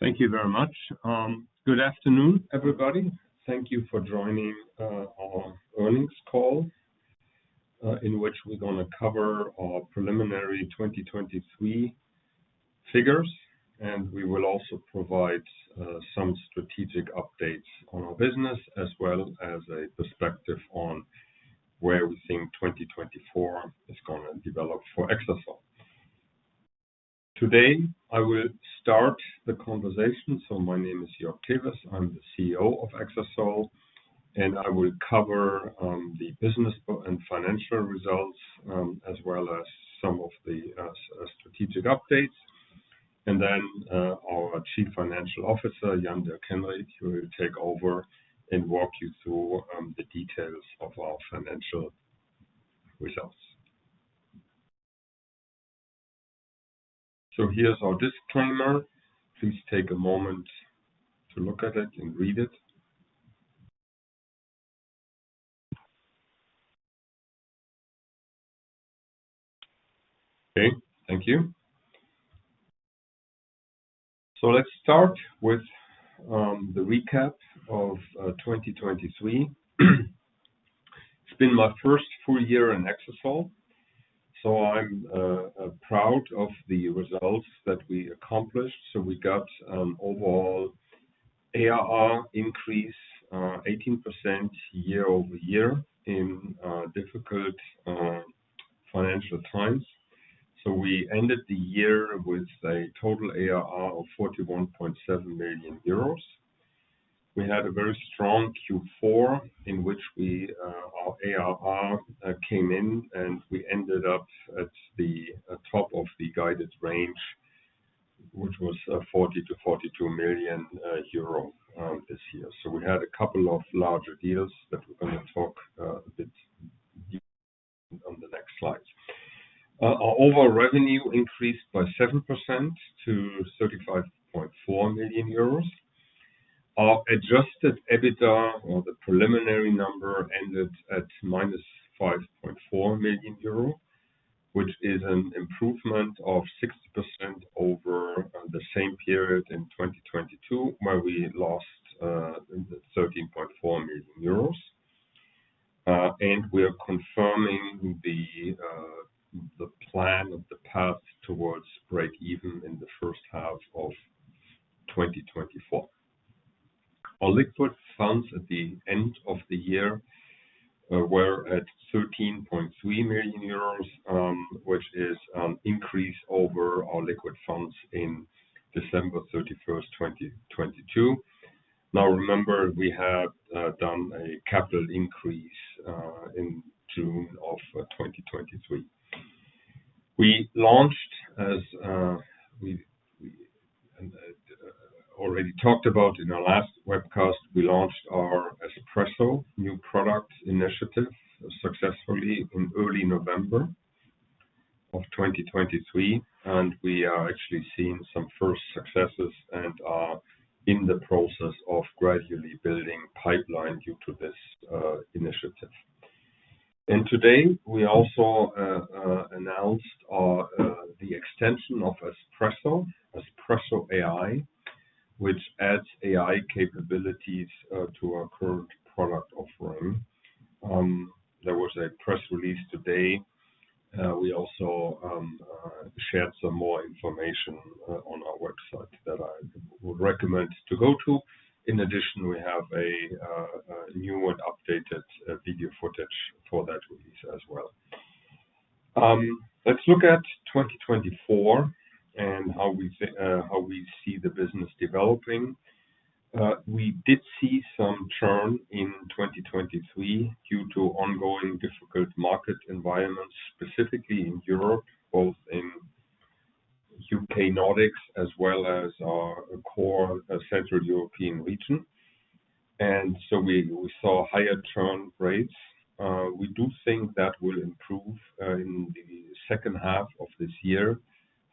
Thank you very much. Good afternoon, everybody. Thank you for joining our earnings call, in which we're gonna cover our preliminary 2023 figures, and we will also provide some strategic updates on our business as well as a perspective on where we think 2024 is gonna develop for Exasol. Today I will start the conversation—so my name is Jörg Tewes, I'm the CEO of Exasol—and I will cover the business and financial results, as well as some of the strategic updates. Then our Chief Financial Officer, Jan-Dirk Henrich, will take over and walk you through the details of our financial results. So here's our disclaimer. Please take a moment to look at it and read it. Okay, thank you. So let's start with the recap of 2023. It's been my first full year in Exasol, so I'm proud of the results that we accomplished. So we got overall ARR increase 18% year-over-year in difficult financial times. So we ended the year with a total ARR of 41.7 million euros. We had a very strong Q4 in which we our ARR came in and we ended up at the top of the guided range, which was 40 million-42 million euro this year. So we had a couple of larger deals that we're going to talk a bit deep on the next slide. Our overall revenue increased by 7% to 35.4 million euros. Our adjusted EBITDA, or the preliminary number, ended at 5.4 million euro, which is an improvement of 60% over the same period in 2022 where we lost 13.4 million euros. And we are confirming the plan of the path towards break-even in the first half of 2024. Our liquid funds at the end of the year were at 13.3 million euros, which is an increase over our liquid funds in December 31st, 2022. Now remember we had done a capital increase in June 2023. We launched, as we already talked about in our last webcast, we launched our Espresso new product initiative successfully in early November 2023, and we are actually seeing some first successes and are in the process of gradually building pipeline due to this initiative. Today we also announced the extension of Espresso, Espresso AI, which adds AI capabilities to our current product offering. There was a press release today. We also shared some more information on our website that I would recommend to go to. In addition, we have new and updated video footage for that release as well. Let's look at 2024 and how we think, how we see the business developing. We did see some churn in 2023 due to ongoing difficult market environments, specifically in Europe, both in U.K., Nordics as well as our core, Central European region. And so we saw higher churn rates. We do think that will improve in the second half of this year.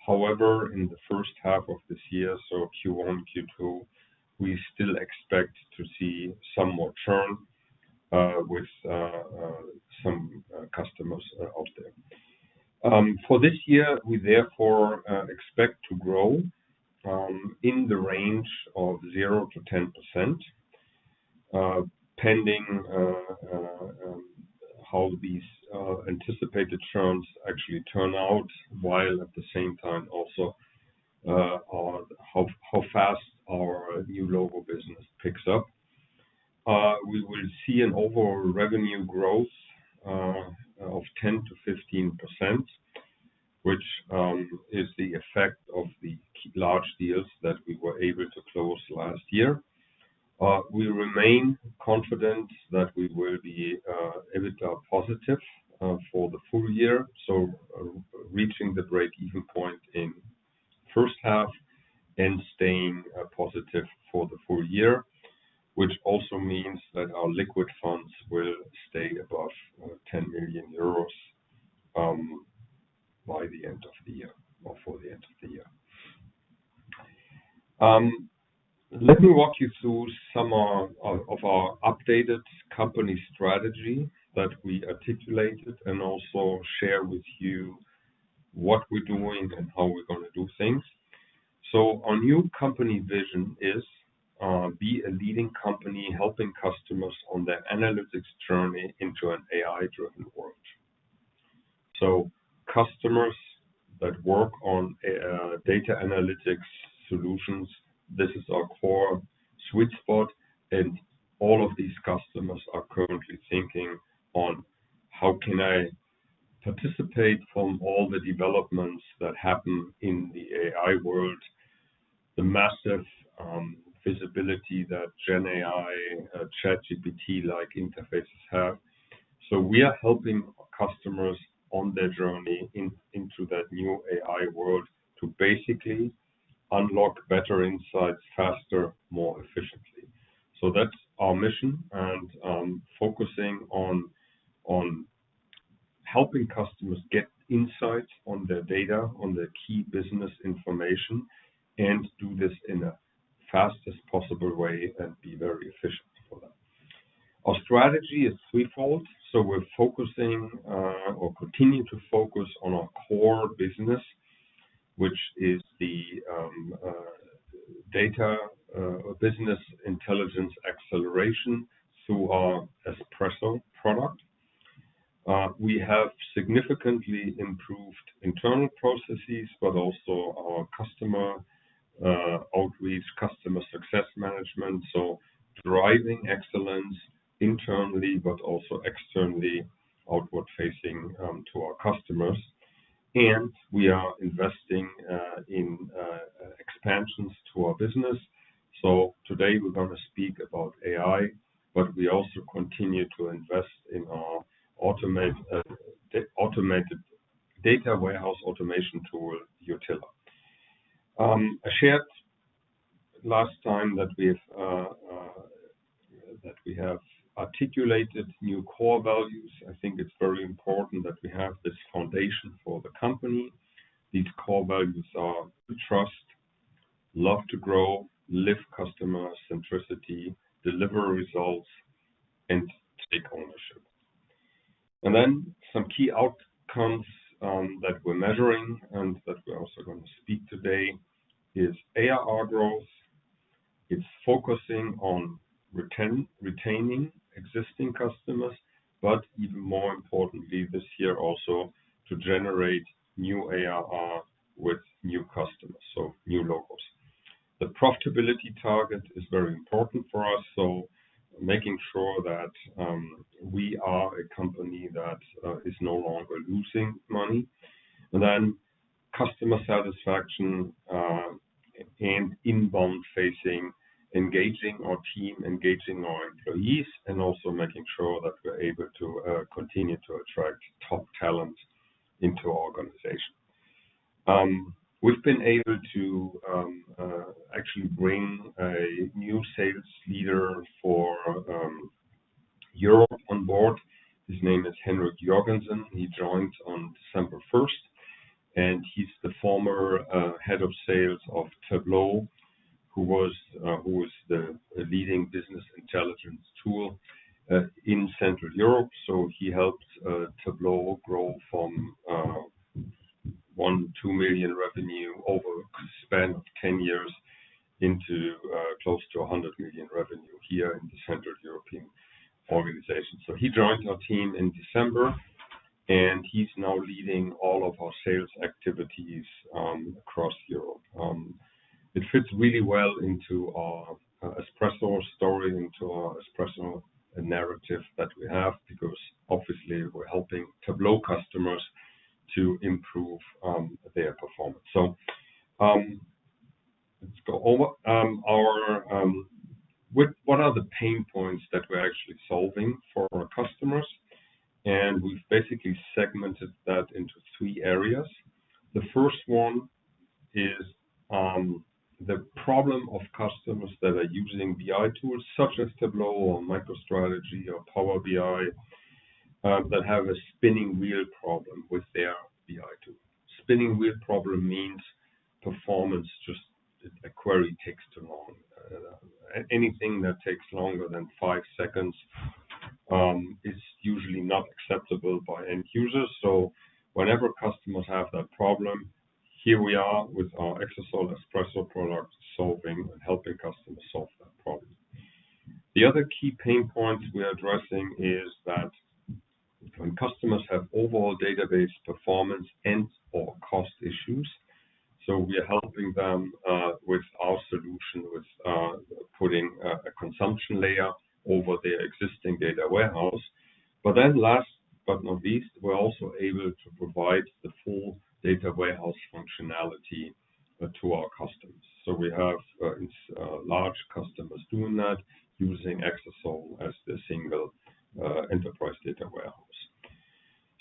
However, in the first half of this year—so Q1, Q2—we still expect to see some more churn, with some customers out there. For this year, we therefore expect to grow in the range of 0%-10%, pending how these anticipated churns actually turn out while at the same time also are how fast our new logo business picks up. We will see an overall revenue growth of 10%-15%, which is the effect of the large deals that we were able to close last year. We remain confident that we will be EBITDA positive for the full year, so reaching the break-even point in first half and staying positive for the full year, which also means that our liquid funds will stay above EUR 10 million by the end of the year or for the end of the year. Let me walk you through some of our updated company strategy that we articulated and also share with you what we're doing and how we're going to do things. So our new company vision is: be a leading company helping customers on their analytics journey into an AI-driven world. So customers that work on data analytics solutions, this is our core sweet spot, and all of these customers are currently thinking, "How can I participate from all the developments that happen in the AI world, the massive visibility that GenAI, ChatGPT-like interfaces have?" So we are helping customers on their journey into that new AI world to basically unlock better insights faster, more efficiently. So that's our mission and focusing on helping customers get insights on their data, on their key business information, and do this in a fastest possible way and be very efficient for them. Our strategy is threefold, so we're focusing or continue to focus on our core business, which is the data business intelligence acceleration through our Espresso product. We have significantly improved internal processes but also our customer outreach, customer success management, so driving excellence internally but also externally outward-facing to our customers. We are investing in expansions to our business. Today we're going to speak about AI, but we also continue to invest in our automated data warehouse automation tool, Jutila. I shared last time that we have articulated new core values. I think it's very important that we have this foundation for the company. These core values are trust, love to grow, live customer centricity, deliver results, and take ownership. Some key outcomes that we're measuring and that we're also going to speak about today is ARR growth. It's focusing on retaining existing customers but, even more importantly this year also, to generate new ARR with new customers, so new logos. The profitability target is very important for us, so making sure that we are a company that is no longer losing money. Then customer satisfaction, and inbound-facing engaging our team, engaging our employees, and also making sure that we're able to continue to attract top talent into our organization. We've been able to actually bring a new sales leader for Europe on board. His name is Henrik Jorgensen. He joins on December 1st, and he's the former head of sales of Tableau, who was the leading business intelligence tool in Central Europe. So he helped Tableau grow from 1 million to 2 million revenue over a span of 10 years into close to 100 million revenue here in the Central European organization. So he joined our team in December, and he's now leading all of our sales activities across Europe. It fits really well into our Espresso story, into our Espresso narrative that we have because obviously we're helping Tableau customers to improve their performance. So, let's go over our what are the pain points that we're actually solving for our customers, and we've basically segmented that into three areas. The first one is the problem of customers that are using BI tools such as Tableau or MicroStrategy or Power BI, that have a spinning wheel problem with their BI tool. Spinning wheel problem means performance just a query takes too long. Anything that takes longer than five seconds is usually not acceptable by end users. So whenever customers have that problem, here we are with our Exasol Espresso product solving and helping customers solve that problem. The other key pain points we're addressing is that when customers have overall database performance and/or cost issues, so we're helping them with our solution with putting a consumption layer over their existing data warehouse. But then last but not least, we're also able to provide the full data warehouse functionality to our customers. So we have in large customers doing that using Exasol as their single enterprise data warehouse.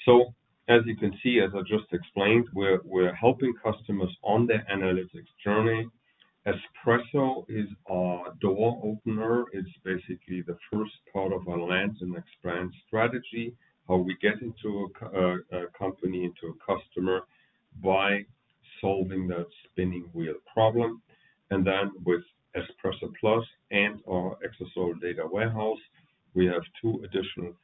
So as you can see, as I just explained, we're helping customers on their analytics journey. Espresso is our door opener. It's basically the first part of our land and expand strategy, how we get into a company, into a customer by solving that spinning wheel problem. And then with Espresso Plus and our Exasol data warehouse, we have two additional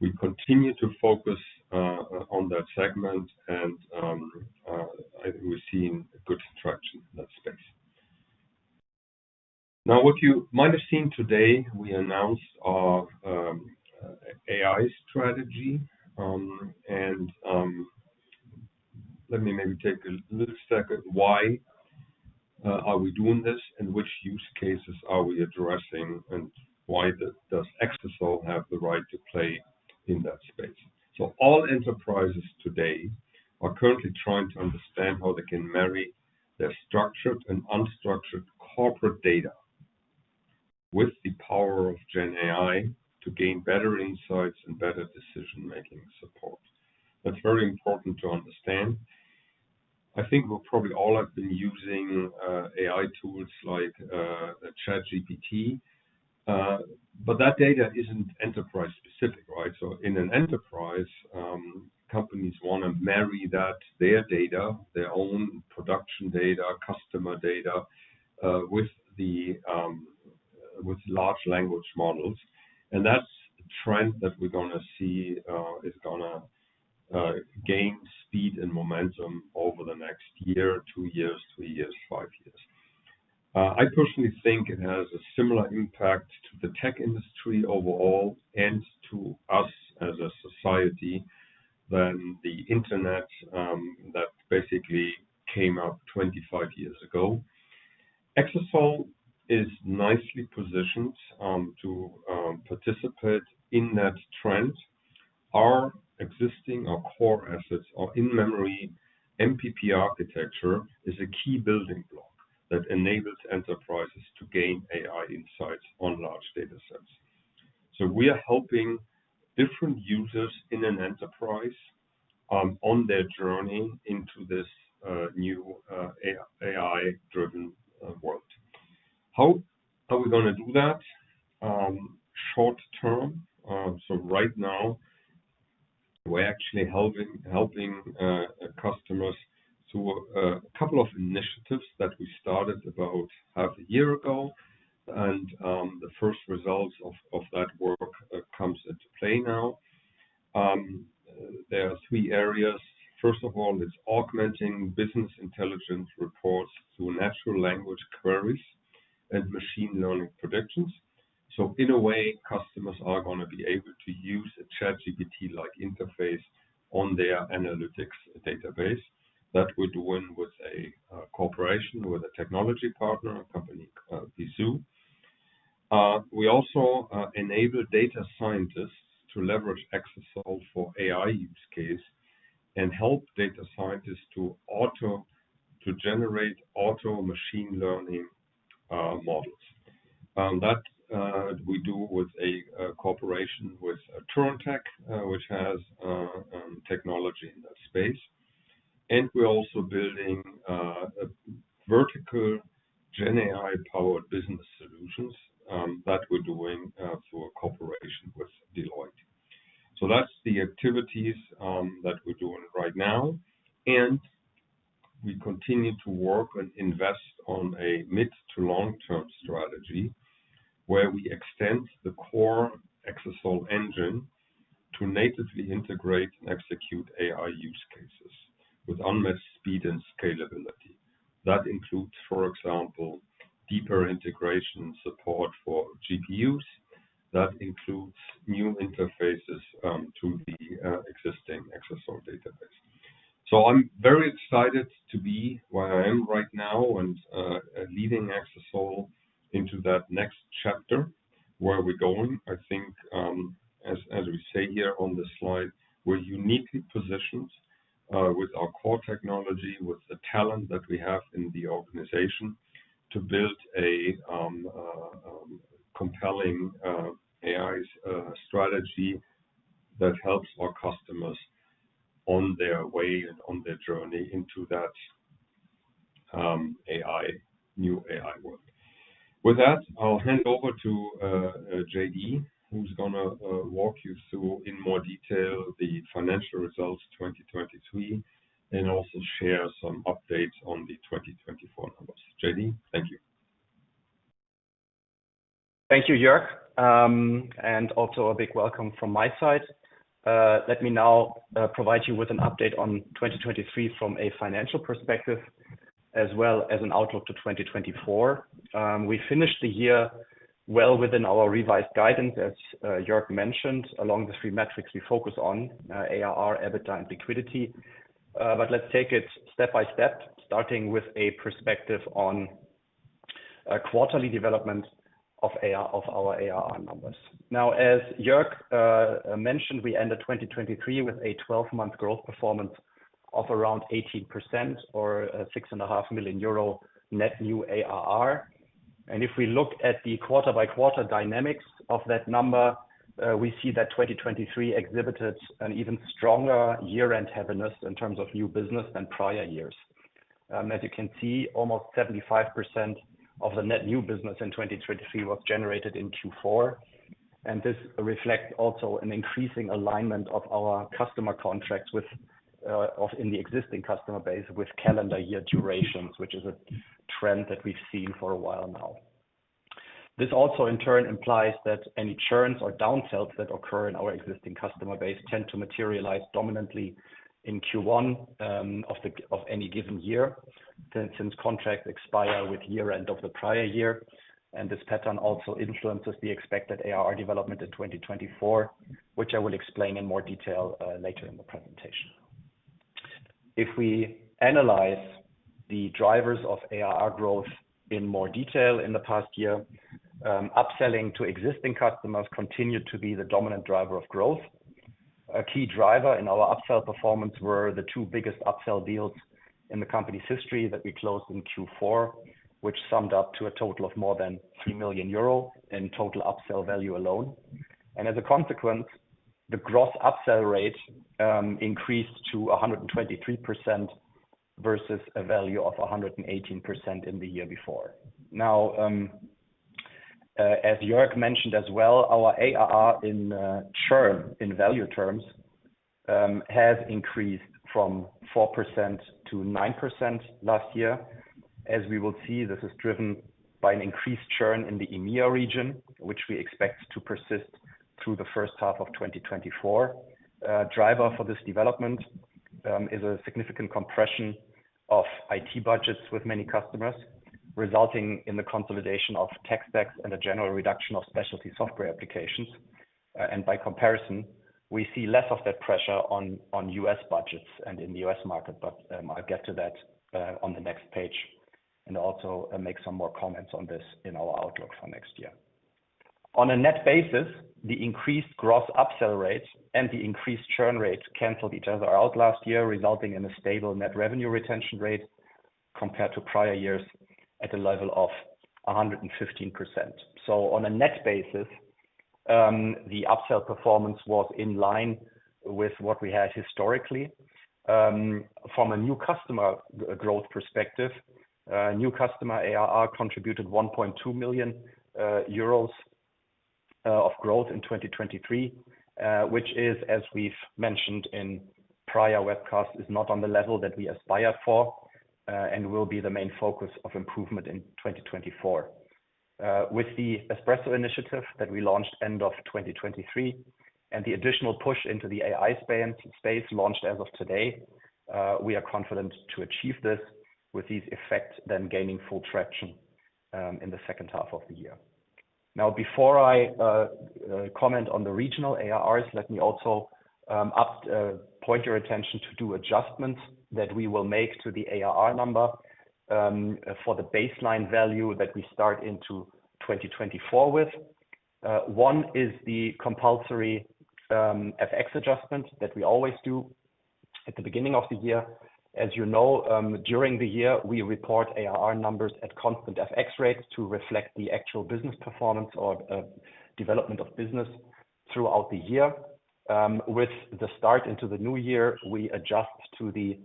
we continue to focus on that segment, and I think we're seeing good traction in that space. Now, what you might have seen today, we announced our AI strategy, and let me maybe take a little second why are we doing this and which use cases are we addressing and why does Exasol have the right to play in that space. So all enterprises today are currently trying to understand how they can marry their structured and unstructured corporate data with the power of GenAI to gain better insights and better decision-making support. That's very important to understand. I think we'll probably all have been using AI tools like ChatGPT, but that data isn't enterprise-specific, right? So in an enterprise, companies want to marry their data, their own production data, customer data, with large language models. That's a trend that we're going to see is going to gain speed and momentum over the next year, two years, three years, five years. I personally think it has a similar impact to the tech industry overall and to us as a society than the internet, that basically came up 25 years ago. Exasol is nicely positioned to participate in that trend. Our existing core assets, our in-memory MPP architecture is a key building block that enables enterprises to gain AI insights on large data sets. So we are helping different users in an enterprise on their journey into this new AI-driven world. How are we going to do that short term? So right now we're actually helping customers through a couple of initiatives that we started about half a year ago, and the first results of that work come into play now. There are three areas. First of all, it's augmenting business intelligence reports through natural language queries and machine learning predictions. So in a way, customers are going to be able to use a ChatGPT-like interface on their analytics database that we're doing with a collaboration with a technology partner, a company, Veezoo. We also enable data scientists to leverage Exasol for AI use cases and help data scientists to generate auto machine learning models. That we do with a collaboration with TurinTech, which has technology in that space. And we're also building vertical GenAI-powered business solutions that we're doing through a collaboration with Deloitte. So that's the activities that we're doing right now, and we continue to work and invest on a mid- to long-term strategy where we extend the core Exasol engine to natively integrate and execute AI use cases with unmatched speed and scalability. That includes, for example, deeper integration support for GPUs. That includes new interfaces to the existing Exasol database. So I'm very excited to be where I am right now and leading Exasol into that next chapter where we're going. I think, as we say here on the slide, we're uniquely positioned with our core technology, with the talent that we have in the organization to build a compelling AI strategy that helps our customers on their way and on their journey into that new AI world. With that, I'll hand over to J.D., who's going to walk you through in more detail the financial results 2023 and also share some updates on the 2024 numbers. J.D., thank you. Thank you, Jörg. And also a big welcome from my side. Let me now provide you with an update on 2023 from a financial perspective as well as an outlook to 2024. We finished the year well within our revised guidance, as Jörg mentioned, along the three metrics we focus on, ARR, EBITDA, and liquidity. But let's take it step by step, starting with a perspective on quarterly development of ARR, of our ARR numbers. Now, as Jörg mentioned, we ended 2023 with a 12-month growth performance of around 18% or 6.5 million euro net new ARR. And if we look at the quarter-by-quarter dynamics of that number, we see that 2023 exhibited an even stronger year-end heaviness in terms of new business than prior years. As you can see, almost 75% of the net new business in 2023 was generated in Q4, and this reflects also an increasing alignment of our customer contracts with, in the existing customer base with calendar year durations, which is a trend that we've seen for a while now. This also, in turn, implies that any churns or downsells that occur in our existing customer base tend to materialize dominantly in Q1, of any given year since contracts expire with year-end of the prior year. This pattern also influences the expected ARR development in 2024, which I will explain in more detail, later in the presentation. If we analyze the drivers of ARR growth in more detail in the past year, upselling to existing customers continued to be the dominant driver of growth. A key driver in our upsell performance were the two biggest upsell deals in the company's history that we closed in Q4, which summed up to a total of more than 3 million euro in total upsell value alone. As a consequence, the gross upsell rate increased to 123% versus a value of 118% in the year before. Now, as Jörg mentioned as well, our ARR in, churn in value terms, has increased from 4%-9% last year. As we will see, this is driven by an increased churn in the EMEA region, which we expect to persist through the first half of 2024. Driver for this development is a significant compression of IT budgets with many customers, resulting in the consolidation of tech stacks and a general reduction of specialty software applications. And by comparison, we see less of that pressure on U.S. budgets and in the U.S. market, but I'll get to that on the next page and also make some more comments on this in our outlook for next year. On a net basis, the increased gross upsell rate and the increased churn rate canceled each other out last year, resulting in a stable net revenue retention rate compared to prior years at a level of 115%. So on a net basis, the upsell performance was in line with what we had historically. From a new customer growth perspective, new customer ARR contributed 1.2 million euros of growth in 2023, which is, as we've mentioned in prior webcasts, is not on the level that we aspired for, and will be the main focus of improvement in 2024. With the Espresso initiative that we launched end of 2023 and the additional push into the AI space launched as of today, we are confident to achieve this with these effects then gaining full traction, in the second half of the year. Now, before I comment on the regional ARRs, let me also point your attention to two adjustments that we will make to the ARR number, for the baseline value that we start into 2024 with. One is the compulsory FX adjustment that we always do at the beginning of the year. As you know, during the year, we report ARR numbers at constant FX rates to reflect the actual business performance or development of business throughout the year. With the start into the new year, we adjust to the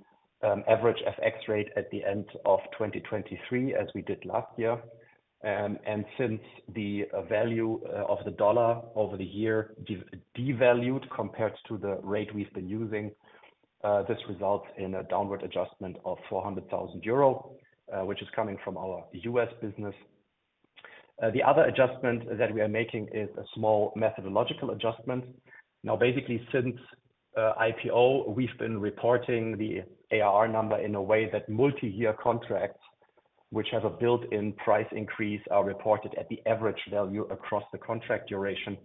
average FX rate at the end of 2023 as we did last year. Since the value of the dollar over the year devalued compared to the rate we've been using, this results in a downward adjustment of 400,000 euro, which is coming from our U.S. business. The other adjustment that we are making is a small methodological adjustment. Now, basically, since IPO, we've been reporting the ARR number in a way that multi-year contracts, which have a built-in price increase, are reported at the average value across the contract duration.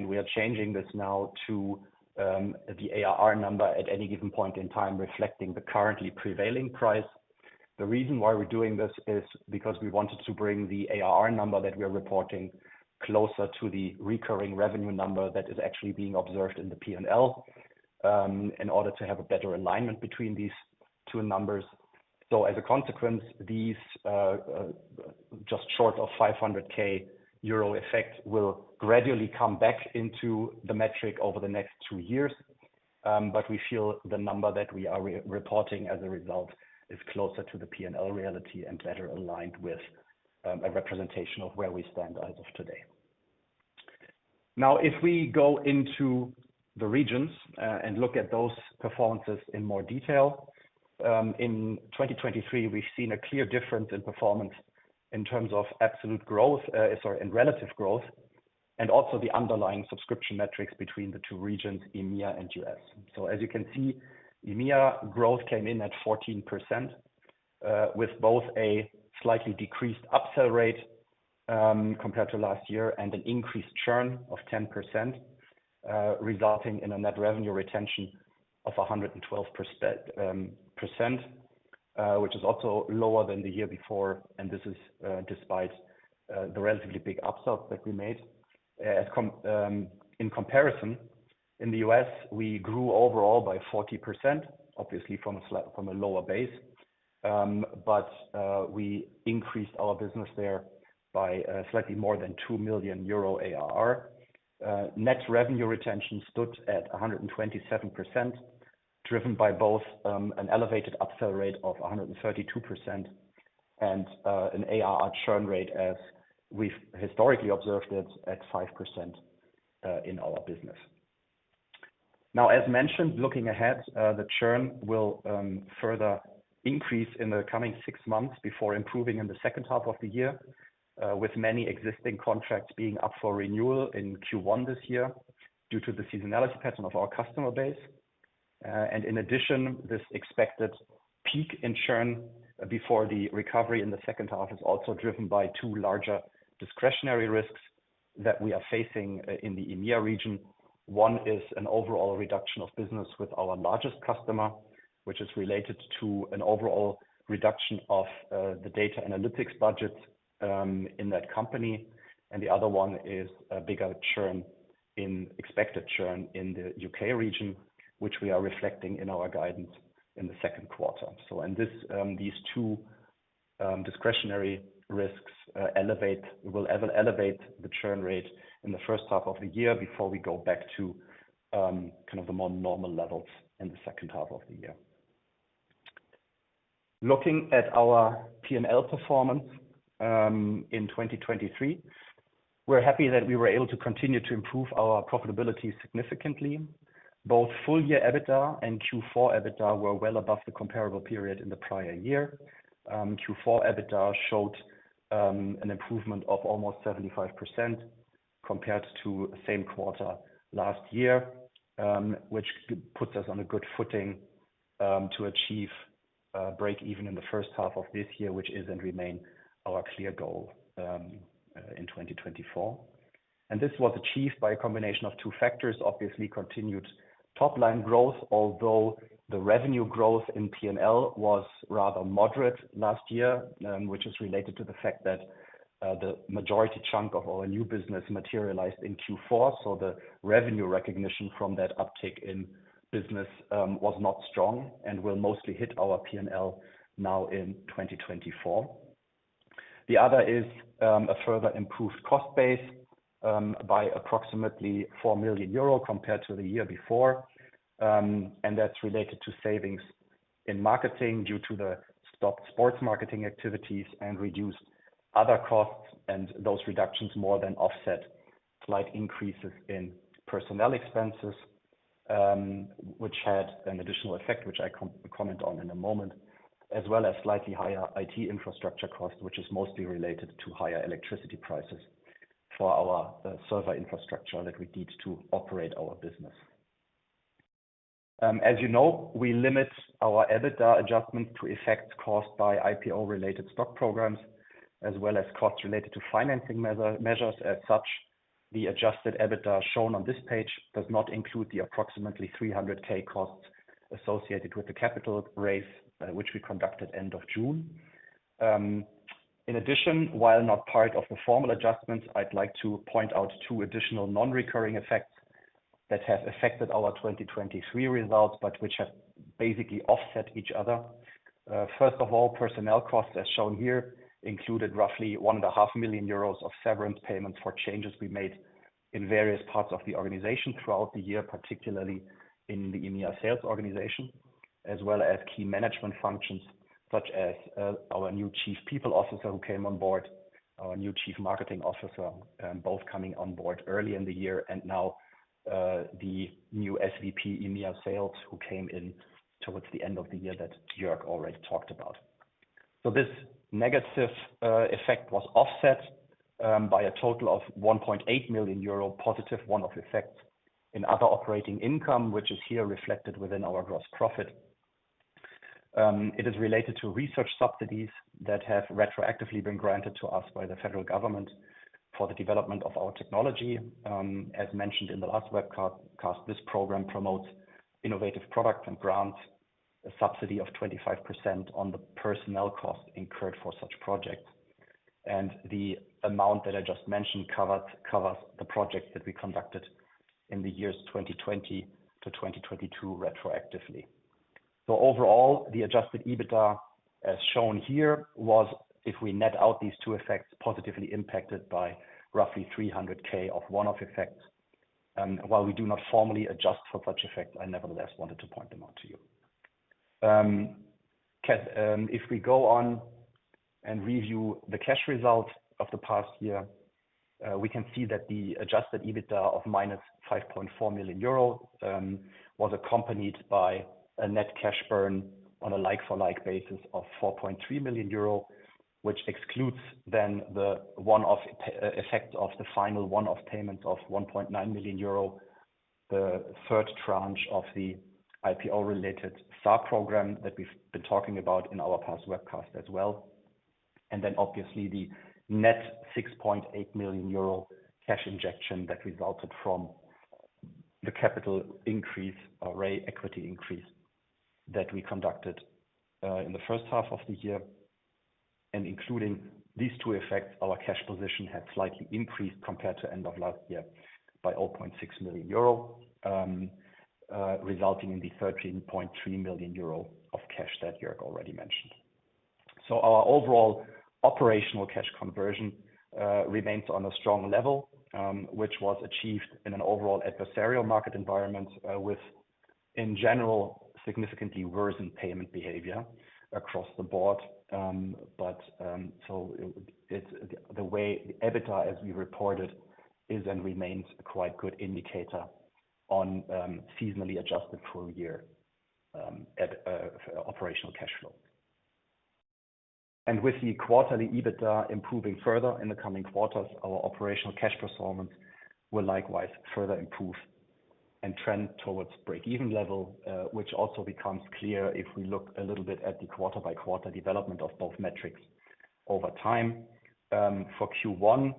We are changing this now to the ARR number at any given point in time reflecting the currently prevailing price. The reason why we're doing this is because we wanted to bring the ARR number that we are reporting closer to the recurring revenue number that is actually being observed in the P&L, in order to have a better alignment between these two numbers. So, as a consequence, these, just short of 500,000 euro effect will gradually come back into the metric over the next two years. But we feel the number that we are reporting as a result is closer to the P&L profit and loss reality and better aligned with, a representation of where we stand as of today. Now, if we go into the regions, and look at those performances in more detail, in 2023, we've seen a clear difference in performance in terms of absolute growth, sorry, in relative growth, and also the underlying subscription metrics between the two regions, EMEA and U.S. So, as you can see, EMEA growth came in at 14%, with both a slightly decreased upsell rate, compared to last year and an increased churn of 10%, resulting in a net revenue retention of 112%, which is also lower than the year before. This is despite the relatively big upsell that we made. As in comparison, in the U.S., we grew overall by 40%, obviously from a slightly lower base. But we increased our business there by slightly more than 2 million euro ARR. Net revenue retention stood at 127%, driven by both an elevated upsell rate of 132% and an ARR churn rate, as we've historically observed, at 5% in our business. Now, as mentioned, looking ahead, the churn will further increase in the coming six months before improving in the second half of the year, with many existing contracts being up for renewal in Q1 this year due to the seasonality pattern of our customer base. In addition, this expected peak in churn before the recovery in the second half is also driven by two larger discretionary risks that we are facing in the EMEA region. One is an overall reduction of business with our largest customer, which is related to an overall reduction of the data analytics budgets in that company. And the other one is a bigger churn than expected churn in the U.K. region, which we are reflecting in our guidance in the second quarter. So, these two discretionary risks will elevate the churn rate in the first half of the year before we go back to kind of the more normal levels in the second half of the year. Looking at our P&L performance in 2023, we're happy that we were able to continue to improve our profitability significantly. Both full-year EBITDA and Q4 EBITDA were well above the comparable period in the prior year. Q4 EBITDA showed an improvement of almost 75% compared to same quarter last year, which puts us on a good footing to achieve break-even in the first half of this year, which is and remain our clear goal in 2024. And this was achieved by a combination of two factors, obviously, continued top-line growth, although the revenue growth in P&L was rather moderate last year, which is related to the fact that the majority chunk of our new business materialized in Q4. So the revenue recognition from that uptick in business was not strong and will mostly hit our P&L now in 2024. The other is a further improved cost base by approximately 4 million euro compared to the year before. And that's related to savings in marketing due to the stopped sports marketing activities and reduced other costs. Those reductions more than offset slight increases in personnel expenses, which had an additional effect, which I comment on in a moment, as well as slightly higher IT infrastructure cost, which is mostly related to higher electricity prices for our server infrastructure that we need to operate our business. As you know, we limit our EBITDA adjustment to effects caused by IPO-related stock programs as well as costs related to financing measures as such. The adjusted EBITDA shown on this page does not include the approximately 300K costs associated with the capital raise, which we conducted end of June. In addition, while not part of the formal adjustments, I'd like to point out two additional non-recurring effects that have affected our 2023 results, but which have basically offset each other. First of all, personnel costs, as shown here, included roughly 1.5 million euros of severance payments for changes we made in various parts of the organization throughout the year, particularly in the EMEA sales organization, as well as key management functions such as our new Chief People Officer who came on board, our new Chief Marketing Officer, both coming on board early in the year, and now the new SVP EMEA Sales who came in towards the end of the year that Jörg already talked about. So this negative effect was offset by a total of 1.8 million euro positive one-off effects in other operating income, which is here reflected within our gross profit. It is related to research subsidies that have retroactively been granted to us by the federal government for the development of our technology. As mentioned in the last webcast, this program promotes innovative products and grants a subsidy of 25% on the personnel cost incurred for such projects. The amount that I just mentioned covers the projects that we conducted in the years 2020 to 2022 retroactively. Overall, the adjusted EBITDA, as shown here, was, if we net out these two effects, positively impacted by roughly 300,000 of one-off effects. While we do not formally adjust for such effects, I nevertheless wanted to point them out to you. If we go on and review the cash result of the past year, we can see that the adjusted EBITDA of -5.4 million euro was accompanied by a net cash burn on a like-for-like basis of 4.3 million euro, which excludes then the one-off effect of the final one-off payments of 1.9 million euro, the third tranche of the IPO-related SAR program that we've been talking about in our past webcast as well. And then, obviously, the net 6.8 million euro cash injection that resulted from the capital increase or equity increase that we conducted in the first half of the year. Including these two effects, our cash position had slightly increased compared to end of last year by 0.6 million euro, resulting in the 13.3 million euro of cash that Jörg already mentioned. So our overall operational cash conversion remains on a strong level, which was achieved in an overall adversarial market environment, with, in general, significantly worsened payment behavior across the board. But, so it's the way the EBITDA, as we reported, is and remains a quite good indicator on, seasonally adjusted full-year, operational cash flow. And with the quarterly EBITDA improving further in the coming quarters, our operational cash performance will likewise further improve and trend towards break-even level, which also becomes clear if we look a little bit at the quarter-by-quarter development of both metrics over time. For Q1,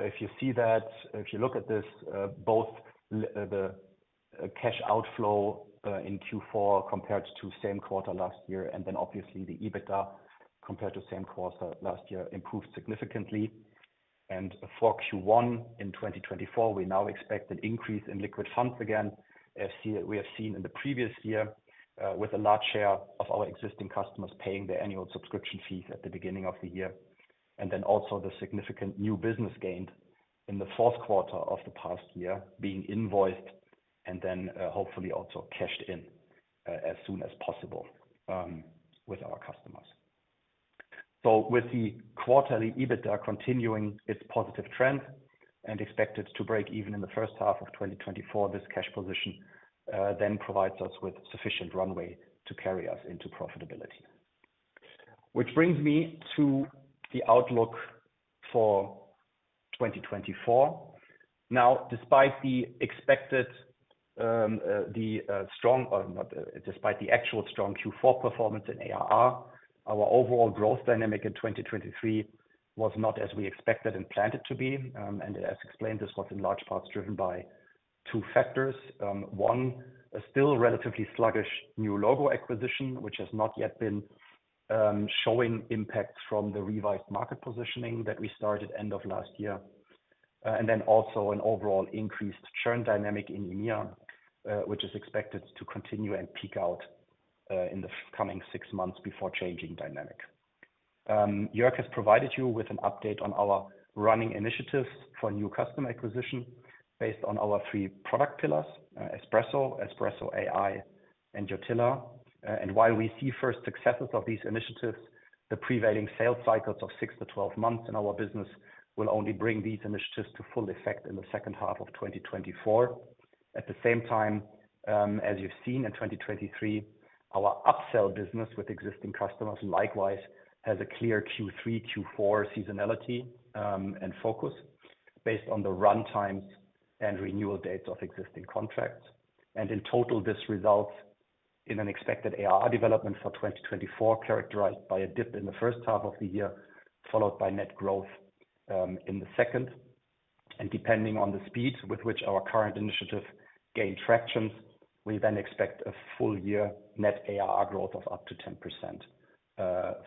if you see that, if you look at this, both, the, cash outflow, in Q4 compared to same quarter last year, and then, obviously, the EBITDA compared to same quarter last year improved significantly. For Q1 in 2024, we now expect an increase in liquid funds again as we have seen in the previous year, with a large share of our existing customers paying their annual subscription fees at the beginning of the year. Then also the significant new business gained in the fourth quarter of the past year being invoiced and then, hopefully also cashed in, as soon as possible, with our customers. So with the quarterly EBITDA continuing its positive trend and expected to break even in the first half of 2024, this cash position then provides us with sufficient runway to carry us into profitability. Which brings me to the outlook for 2024. Now, despite the actual strong Q4 performance in ARR, our overall growth dynamic in 2023 was not as we expected and planned to be. As explained, this was in large parts driven by two factors. 1, a still relatively sluggish new logo acquisition, which has not yet been showing impacts from the revised market positioning that we started end of last year. Then also an overall increased churn dynamic in EMEA, which is expected to continue and peak out in the coming 6 months before changing dynamic. Jörg has provided you with an update on our running initiatives for new customer acquisition based on our three product pillars, Espresso, Espresso AI, and Yotilla. While we see first successes of these initiatives, the prevailing sales cycles of 6-12 months in our business will only bring these initiatives to full effect in the second half of 2024. At the same time, as you've seen in 2023, our upsell business with existing customers likewise has a clear Q3, Q4 seasonality, and focus based on the runtimes and renewal dates of existing contracts. In total, this results in an expected ARR development for 2024 characterized by a dip in the first half of the year followed by net growth, in the second. Depending on the speed with which our current initiative gained tractions, we then expect a full-year net ARR growth of up to 10%,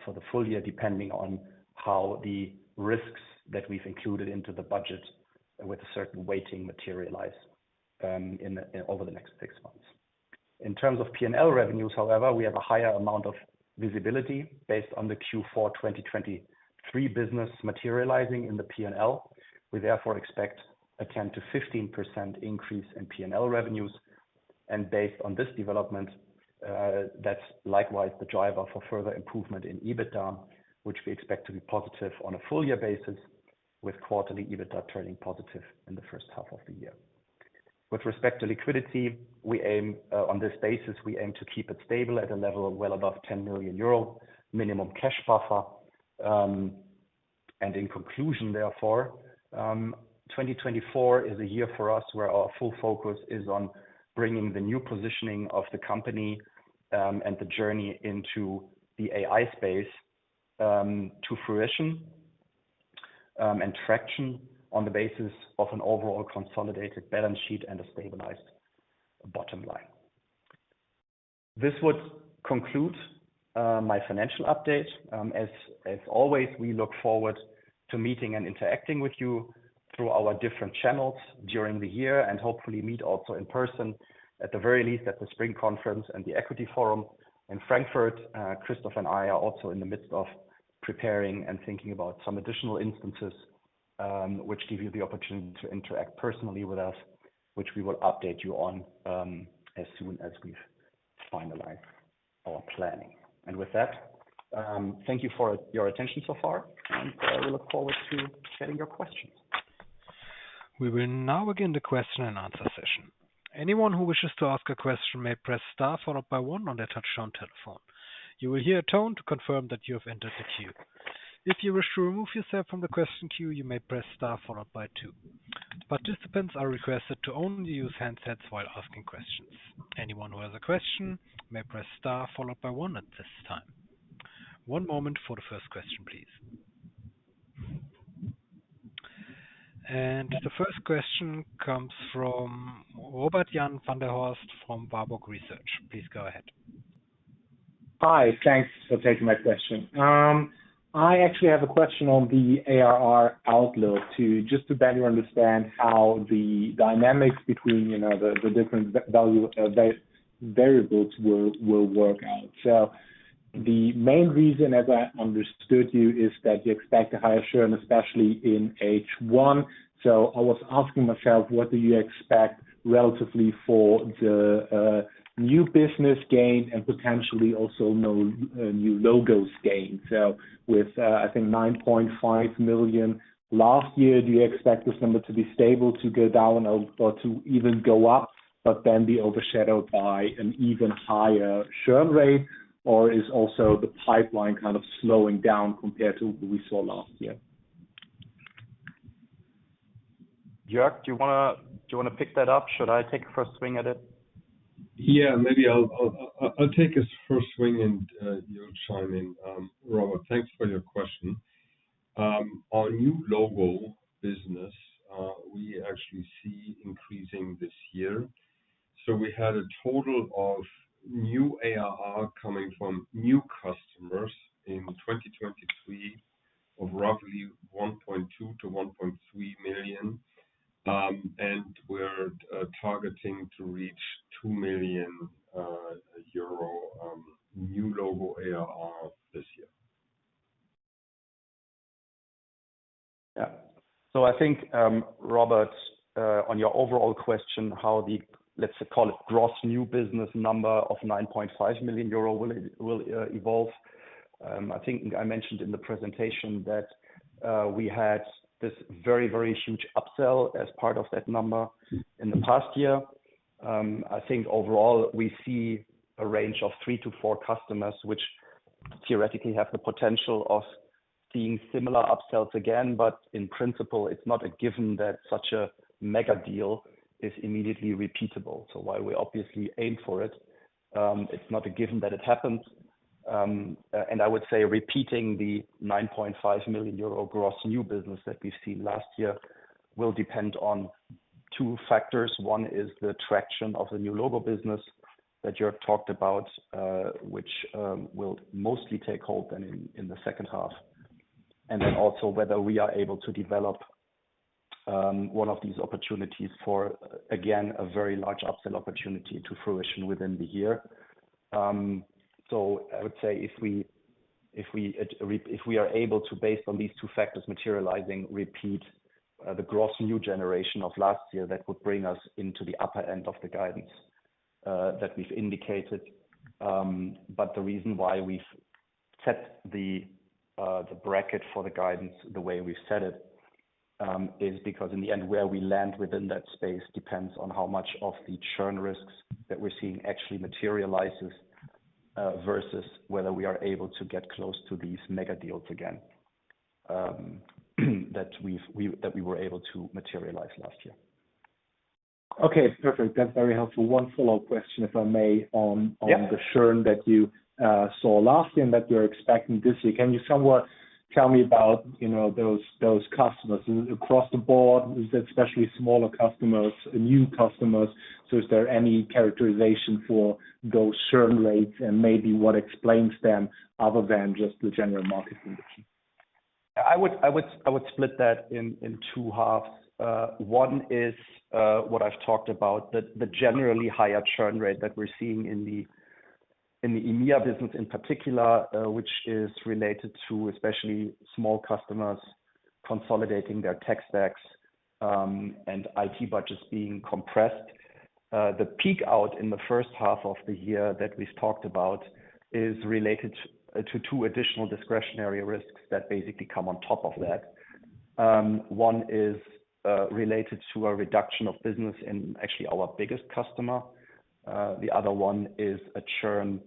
for the full year, depending on how the risks that we've included into the budget with a certain weighting materialize over the next six months. In terms of P&L revenues, however, we have a higher amount of visibility based on the Q4 2023 business materializing in the P&L. We therefore expect a 10%-15% increase in P&L revenues. Based on this development, that's likewise the driver for further improvement in EBITDA, which we expect to be positive on a full-year basis with quarterly EBITDA turning positive in the first half of the year. With respect to liquidity, we aim, on this basis, we aim to keep it stable at a level well above 10 million euro minimum cash buffer. In conclusion, therefore, 2024 is a year for us where our full focus is on bringing the new positioning of the company, and the journey into the AI space, to fruition, and traction on the basis of an overall consolidated balance sheet and a stabilized bottom line. This would conclude my financial update. As always, we look forward to meeting and interacting with you through our different channels during the year and hopefully meet also in person, at the very least at the Spring Conference and the Equity Forum in Frankfurt. Christoph and I are also in the midst of preparing and thinking about some additional instances, which give you the opportunity to interact personally with us, which we will update you on, as soon as we've finalized our planning. With that, thank you for your attention so far. We look forward to getting your questions. We will now begin the question and answer session. Anyone who wishes to ask a question may press star followed by one on the touch-tone telephone. You will hear a tone to confirm that you have entered the queue. If you wish to remove yourself from the question queue, you may press star followed by two. Participants are requested to only use handsets while asking questions. Anyone who has a question may press star followed by one at this time. One moment for the first question, please. The first question comes from Robert-Jan van der Horst from Warburg Research. Please go ahead. Hi. Thanks for taking my question. I actually have a question on the ARR outlook to just better understand how the dynamics between, you know, the different value variables will work out. The main reason, as I understood you, is that you expect a higher churn, especially in H1. I was asking myself, what do you expect relatively for the new business gain and potentially also no new logos gain? So with, I think 9.5 million last year, do you expect this number to be stable, to go down, or to even go up, but then be overshadowed by an even higher churn rate? Or is also the pipeline kind of slowing down compared to what we saw last year? Jörg, do you want to pick that up? Should I take a first swing at it? Yeah, maybe I'll take this first swing and, you'll chime in. Robert, thanks for your question. Our new logo business, we actually see increasing this year. So we had a total of new ARR coming from new customers in 2023 of roughly 1.2 million-1.3 million. And we're targeting to reach 2 million euro new logo ARR this year. Yeah. So I think, Robert, on your overall question, how the, let's call it, gross new business number of 9.5 million euro will it will evolve? I think I mentioned in the presentation that, we had this very, very huge upsell as part of that number in the past year. I think overall, we see a range of three to four customers, which theoretically have the potential of seeing similar upsells again. But in principle, it's not a given that such a mega deal is immediately repeatable. So while we obviously aim for it, it's not a given that it happens. And I would say repeating the 9.5 million euro gross new business that we've seen last year will depend on two factors. One is the traction of the new logo business that Jörg talked about, which will mostly take hold then in the second half. And then also whether we are able to develop one of these opportunities for, again, a very large upsell opportunity to fruition within the year. So I would say if we if we if we are able to, based on these two factors materializing, repeat the gross new generation of last year, that would bring us into the upper end of the guidance that we've indicated. But the reason why we've set the bracket for the guidance the way we've set it is because in the end, where we land within that space depends on how much of the churn risks that we're seeing actually materializes, versus whether we are able to get close to these mega deals again, that we've we that we were able to materialize last year. Okay, perfect. That's very helpful. One follow-up question, if I may, on the churn that you saw last year and that you're expecting this year. Can you somewhat tell me about, you know, those customers across the board? Is it especially smaller customers, new customers? So is there any characterization for those churn rates and maybe what explains them other than just the general market condition? Yeah, I would split that in two halves. One is, what I've talked about, the generally higher churn rate that we're seeing in the EMEA business in particular, which is related to especially small customers consolidating their tech stacks, and IT budgets being compressed. The peak out in the first half of the year that we've talked about is related to two additional discretionary risks that basically come on top of that. One is related to a reduction of business in actually our biggest customer. The other one is a churn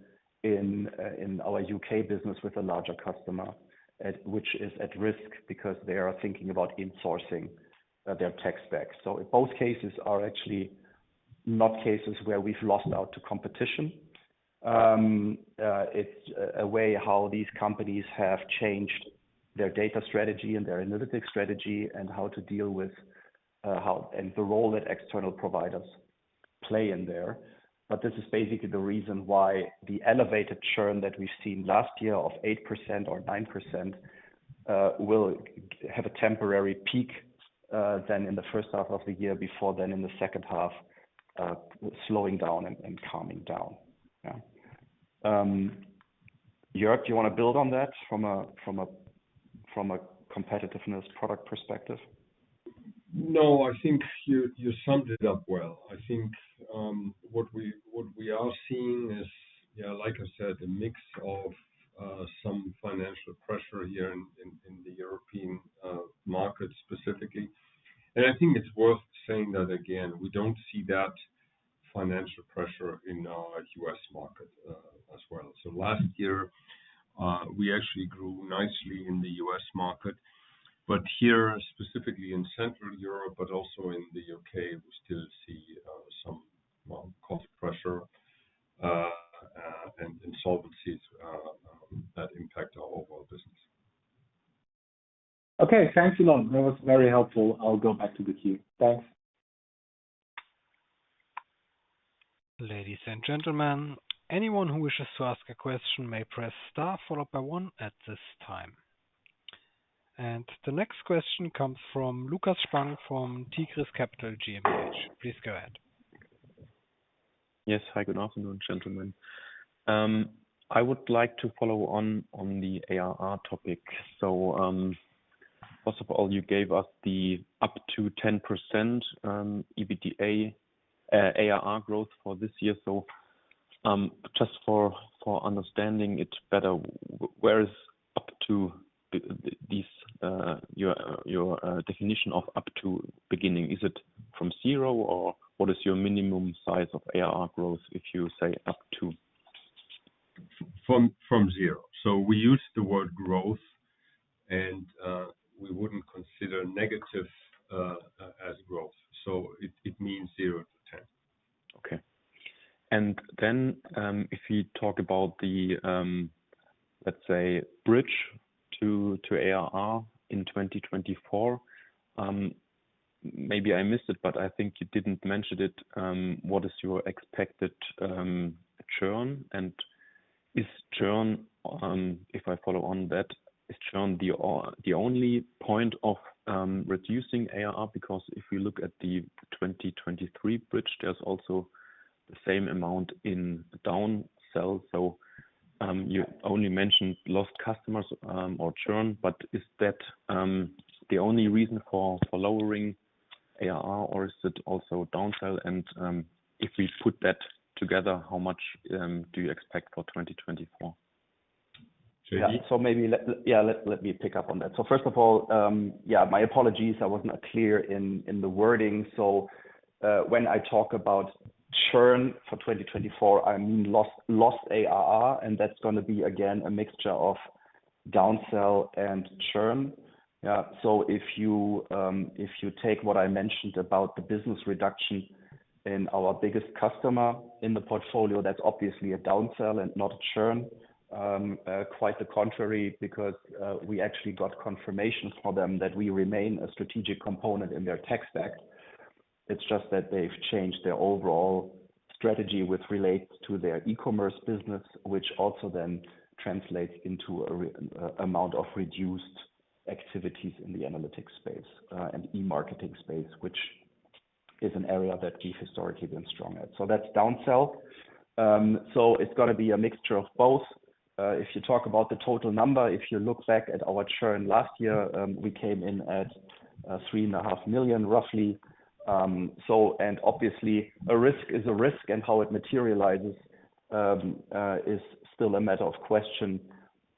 in our UK business with a larger customer at which is at risk because they are thinking about insourcing their tech stacks. So both cases are actually not cases where we've lost out to competition. It's a way how these companies have changed their data strategy and their analytics strategy and how to deal with how and the role that external providers play in there. But this is basically the reason why the elevated churn that we've seen last year of 8% or 9% will have a temporary peak then in the first half of the year before then in the second half slowing down and calming down. Yeah. Jörg, do you want to build on that from a competitiveness product perspective? No, I think you summed it up well. I think, what we are seeing is, yeah, like I said, a mix of, some financial pressure here in the European market specifically. I think it's worth saying that again, we don't see that financial pressure in our U.S. market, as well. Last year, we actually grew nicely in the U.S. market. But here, specifically in Central Europe, but also in the U.K., we still see, some, well, cost pressure, and insolvencies, that impact our overall business. Okay, thank you, Laurent. That was very helpful. I'll go back to the queue. Thanks. Ladies and gentlemen, anyone who wishes to ask a question may press star followed by one at this time. The next question comes from Lukas Spang from Tigris Capital GmbH. Please go ahead. Yes, hi. Good afternoon, gentlemen. I would like to follow on the ARR topic. So, first of all, you gave us the up to 10%, EBITDA, ARR growth for this year. So, just for understanding it better, where is up to the these your definition of up to beginning? Is it from zero, or what is your minimum size of ARR growth if you say up to? From zero. So we use the word growth, and we wouldn't consider negative as growth. So it means 0%-10%. Okay. And then, if we talk about the, let's say, bridge to ARR in 2024, maybe I missed it, but I think you didn't mention it. What is your expected churn? And is churn, if I follow on that, is churn the only point of reducing ARR? Because if we look at the 2023 bridge, there's also the same amount in downsell. So, you only mentioned lost customers, or churn. But is that the only reason for lowering ARR, or is it also downsell? And if we put that together, how much do you expect for 2024? Yeah, so maybe let me pick up on that. So first of all, yeah, my apologies. I wasn't clear in the wording. So, when I talk about churn for 2024, I mean lost ARR. And that's going to be, again, a mixture of downsell and churn. Yeah. So if you take what I mentioned about the business reduction in our biggest customer in the portfolio, that's obviously a downsell and not a churn, quite the contrary because we actually got confirmation for them that we remain a strategic component in their tech stack. It's just that they've changed their overall strategy which relates to their e-commerce business, which also then translates into an amount of reduced activities in the analytics space and e-marketing space, which is an area that we've historically been strong at. So that's downsell. So it's going to be a mixture of both. If you talk about the total number, if you look back at our churn last year, we came in at 3.5 million, roughly. So and obviously, a risk is a risk, and how it materializes is still a matter of question.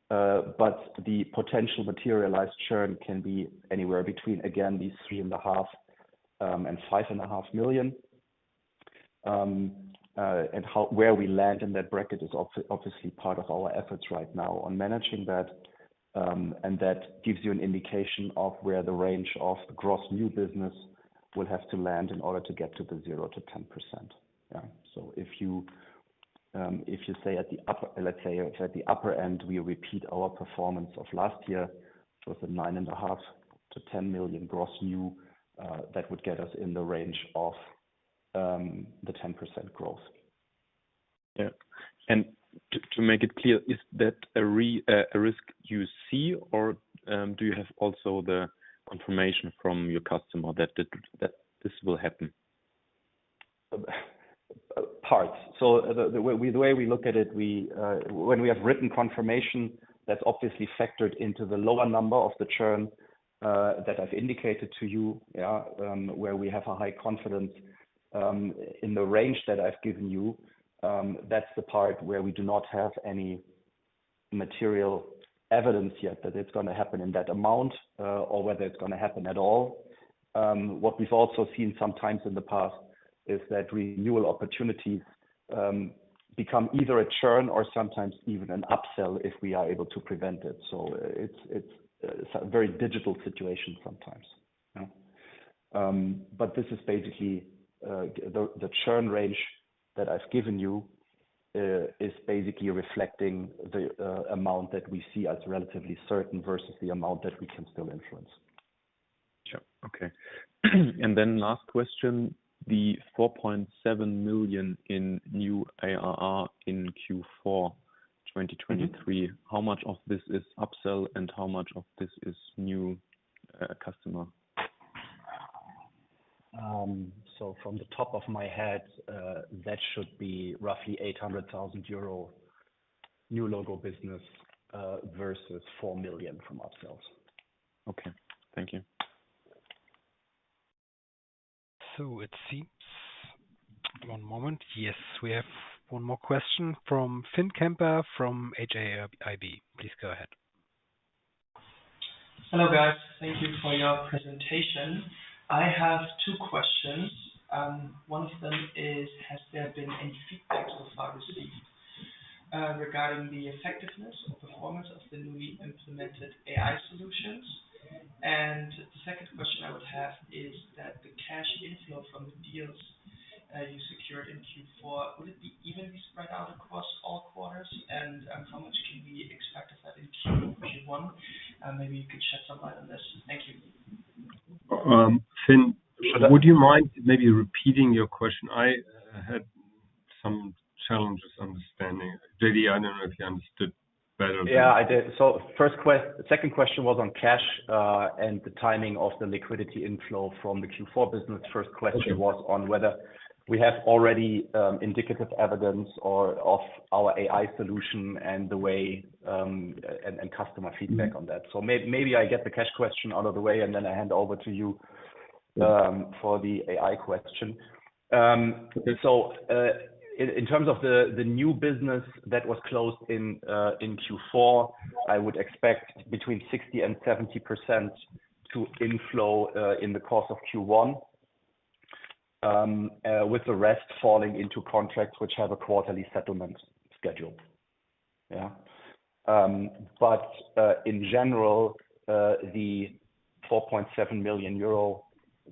But the potential materialized churn can be anywhere between, again, 3.5 million and 5.5 million. And how and where we land in that bracket is obviously part of our efforts right now on managing that. That gives you an indication of where the range of gross new business will have to land in order to get to the 0%-10%. Yeah. So if you say at the upper end, let's say, if at the upper end we repeat our performance of last year with 9.5 million-10 million gross new, that would get us in the range of 10% growth. Yeah. And to make it clear, is that a real risk you see, or do you have also the confirmation from your customer that this will happen? Yes. So the way we look at it, when we have written confirmation, that's obviously factored into the lower number of the churn that I've indicated to you, yeah, where we have a high confidence in the range that I've given you. That's the part where we do not have any material evidence yet that it's going to happen in that amount, or whether it's going to happen at all. What we've also seen sometimes in the past is that renewal opportunities become either a churn or sometimes even an upsell if we are able to prevent it. So it's a very dynamic situation sometimes. Yeah. But this is basically the churn range that I've given you is basically reflecting the amount that we see as relatively certain versus the amount that we can still influence. Sure. Okay. And then last question, the 4.7 million in new ARR in Q4 2023, how much of this is upsell and how much of this is new customer? So from the top of my head, that should be roughly 800,000 euro new logo business, versus 4 million from upsells. Okay. Thank you. So it seems. One moment. Yes, we have one more question from Finn Kemper from HAIB. Please go ahead. Hello, guys. Thank you for your presentation. I have two questions. One of them is, has there been any feedback so far received, regarding the effectiveness or performance of the newly implemented AI solutions? And the second question I would have is that the cash inflow from the deals you secured in Q4, will it be evenly spread out across all quarters? And, how much can we expect of that in Q1? Maybe you could shed some light on this. Thank you. Finn, would you mind maybe repeating your question? I had some challenges understanding. J.D., I don't know if you understood better than. Yeah, I did. So first question the second question was on cash, and the timing of the liquidity inflow from the Q4 business. First question was on whether we have already indicative evidence or of our AI solution and the way, and customer feedback on that. So maybe I get the cash question out of the way, and then I hand over to you, for the AI question. So, in terms of the new business that was closed in Q4, I would expect between 60% and 70% to inflow, in the course of Q1, with the rest falling into contracts which have a quarterly settlement schedule. Yeah. But in general, the 4.7 million euro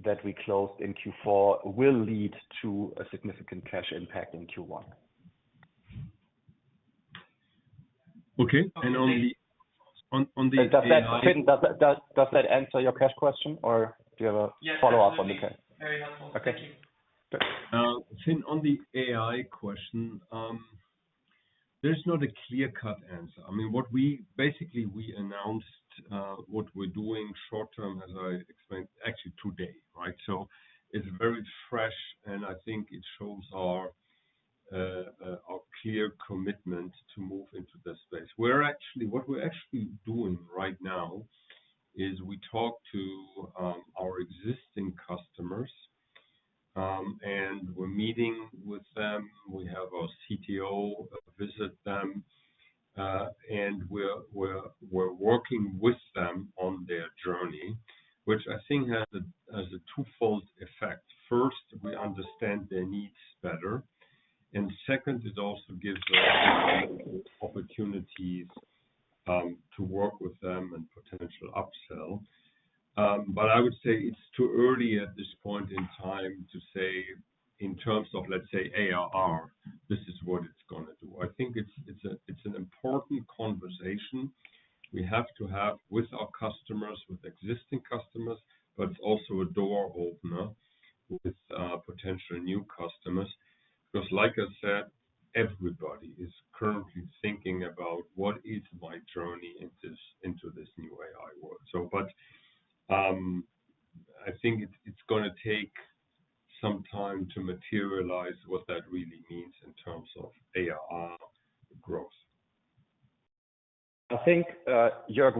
that we closed in Q4 will lead to a significant cash impact in Q1. Okay. And on the. Does that, Finn, answer your cash question, or do you have a follow-up on the cash? Very helpful. Thank you. Finn, on the AI question, there's not a clear-cut answer. I mean, what we basically, we announced, what we're doing short-term, as I explained, actually today, right? So it's very fresh, and I think it shows our clear commitment to move into this space. We're actually what we're actually doing right now is we talk to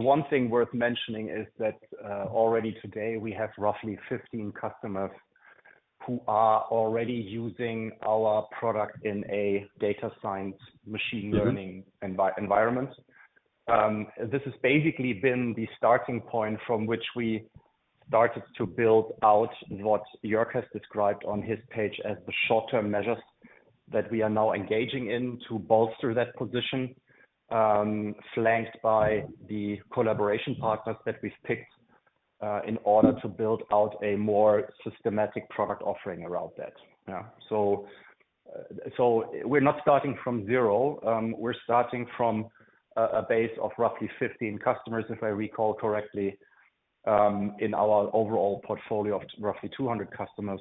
this is what it's going to do. I think it's an important conversation we have to have with our customers, with existing customers, but it's also a door opener with potential new customers because, like I said, everybody is currently thinking about, "What is my journey into this new AI world?" But I think it's going to take some time to materialize what that really means in terms of ARR growth. I think, Jörg, one thing worth mentioning is that already today, we have roughly 15 customers who are already using our product in a data science machine learning environment. This has basically been the starting point from which we started to build out what Jörg has described on his page as the short-term measures that we are now engaging in to bolster that position, flanked by the collaboration partners that we've picked, in order to build out a more systematic product offering around that. Yeah. So, we're not starting from zero. We're starting from a base of roughly 15 customers, if I recall correctly, in our overall portfolio of roughly 200 customers,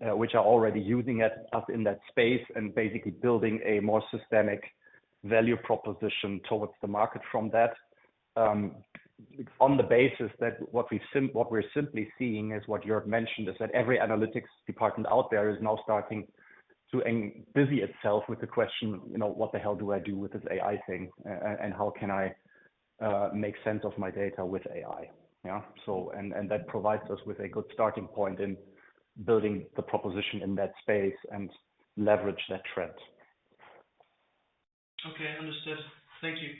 which are already using us in that space and basically building a more systemic value proposition towards the market from that, on the basis that what we've what we're simply seeing is what Jörg mentioned, is that every analytics department out there is now starting to busy itself with the question, you know, "What the hell do I do with this AI thing, and how can I make sense of my data with AI?" Yeah. So and and that provides us with a good starting point in building the proposition in that space and leverage that trend. Okay. Understood. Thank you.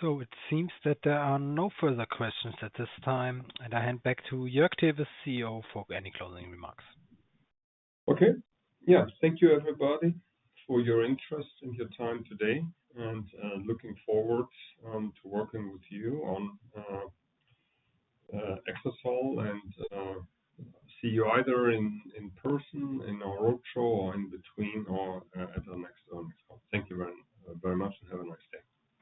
So it seems that there are no further questions at this time. And I hand back to Jörg Tewes, CEO, for any closing remarks. Okay. Yeah. Thank you, everybody, for your interest and your time today. Looking forward to working with you on Exasol. See you either in person, in our roadshow, or in between, or at our next one. Thank you very very much, and have a nice day.